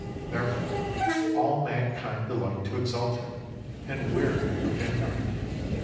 Therefore all man kind delight to exalt him, and weary of him not.